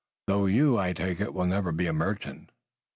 Though you, I take it, will never be a merchant."